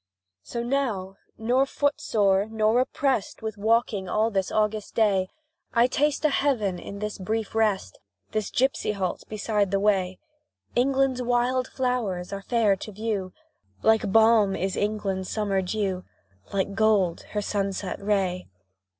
So now nor foot sore nor opprest With walking all this August day, I taste a heaven in this brief rest, This gipsy halt beside the way. England's wild flowers are fair to view, Like balm is England's summer dew Like gold her sunset ray.